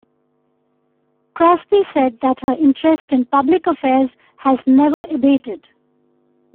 Crosby said that her interest in public affairs has never abated.